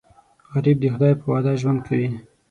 غریب د خدای په وعده ژوند کوي